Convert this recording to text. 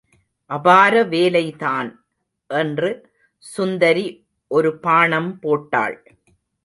அபார வேலை தான்! என்று சுந்தரி ஒரு பாணம் போட்டாள்.